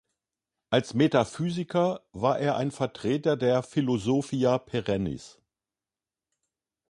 Als Metaphysiker war er ein Vertreter der Philosophia perennis.